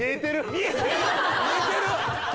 見えてる！